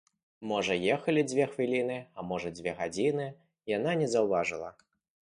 Можа, ехалі дзве хвіліны, а можа, дзве гадзіны, яна не заўважыла.